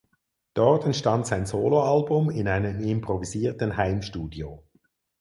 Dort entstand sein Soloalbum in einem improvisierten Heimstudio.